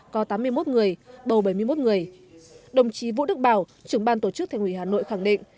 có tám mươi một người bầu bảy mươi một người đồng chí vũ đức bảo trưởng ban tổ chức thành ủy hà nội khẳng định